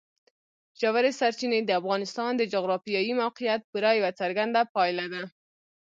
ژورې سرچینې د افغانستان د جغرافیایي موقیعت پوره یوه څرګنده پایله ده.